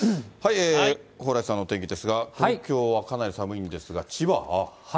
蓬莱さんのお天気ですが、東京はかなり寒いんですが、千葉は。